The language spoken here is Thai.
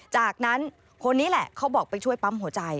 จากนั้นคนนี้แหละเขาบอกไปช่วยปั๊มหัวใจ